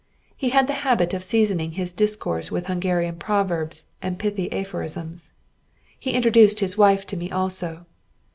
He had the habit of seasoning his discourse with Hungarian proverbs and pithy aphorisms. He introduced his wife to me also.